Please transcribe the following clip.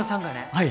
はい。